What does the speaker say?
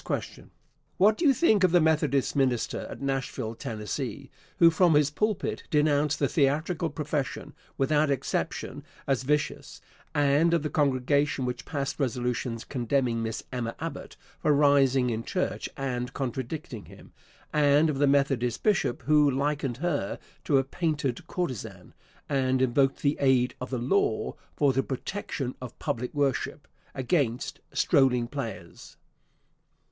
Question. What do you think of the Methodist minister at Nashville, Tenn., who, from his pulpit, denounced the theatrical profession, without exception, as vicious, and of the congregation which passed resolutions condemning Miss Emma Abbott for rising in church and contradicting him, and of the Methodist bishop who likened her to a "painted courtesan," and invoked the aid of the law "for the protection of public worship" against "strolling players"?